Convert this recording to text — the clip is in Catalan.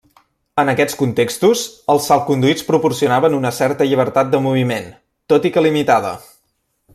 En aquests contextos, els salconduits proporcionaven una certa llibertat de moviment, tot i que limitada.